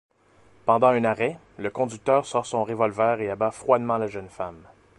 Pendant un arrêt, le conducteur sort son révolver et abat froidement la jeune femme.